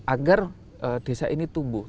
agar desa ini tumbuh